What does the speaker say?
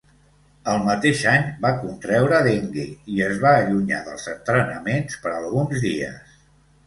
El mateix any, va contreure dengue i es va allunyar dels entrenaments per alguns dies.